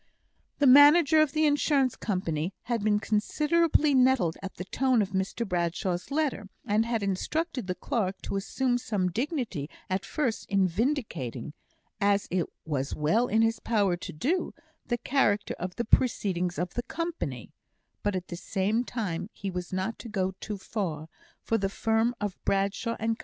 The manager of the Insurance Company had been considerably nettled at the tone of Mr Bradshaw's letter; and had instructed the clerk to assume some dignity at first in vindicating (as it was well in his power to do) the character of the proceedings of the Company, but at the same time he was not to go too far, for the firm of Bradshaw and Co.